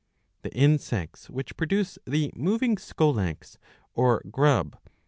® The insects which produce the moving scolex or grub are ^ D.